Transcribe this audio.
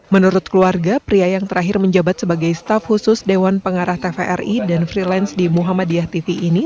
menurut keluarga pria yang terakhir menjabat sebagai staf khusus dewan pengarah tvri dan freelance di muhammadiyah tv ini